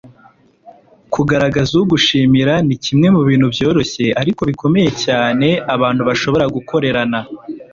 kugaragaza ugushimira ni kimwe mu bintu byoroshye ariko bikomeye cyane abantu bashobora gukorerana